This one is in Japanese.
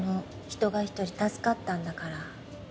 人が一人助かったんだから。